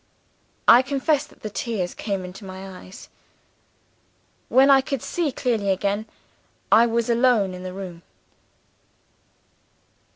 "I confess that the tears came into my eyes. When I could see clearly again, I was alone in the room."